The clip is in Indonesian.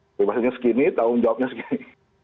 kebebasannya segini tanggung jawabnya segini